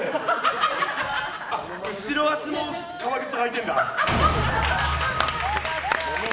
後ろ足も革靴履いてるんだ。